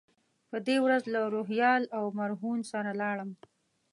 په دې ورځ له روهیال او مرهون سره لاړم.